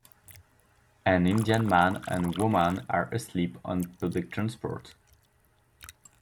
An Indian man and woman are asleep on public transport.